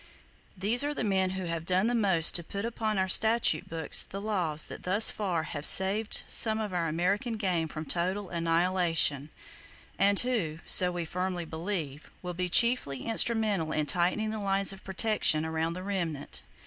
These are the men who have done the most to put upon our statute books the laws that thus far have saved some of our American game from total annihilation, and who (so we firmly believe) will be chiefly instrumental in tightening the lines of protection around the remnant.